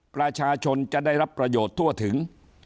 ประชาชนจะได้รับประโยชน์ทั่วถึง